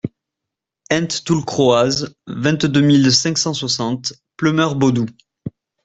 Hent Toull Kroaz, vingt-deux mille cinq cent soixante Pleumeur-Bodou